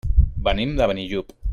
Venim de Benillup.